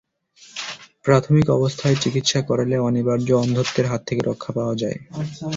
প্রাথমিক অবস্থায় চিকিৎসা করালে অনিবার্য অন্ধত্বের হাত থেকে রক্ষা পাওয়া যায়।